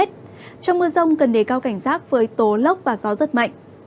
trong mưa rông cần đề cao cảnh giác với tố lốc và gió rất mạnh